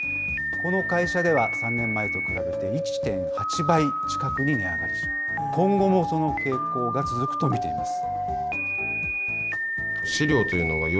この会社では、３年前と比べて１．８倍近くに値上がりし、今後もその傾向が続くと見ています。